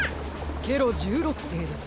ケロ１６世です。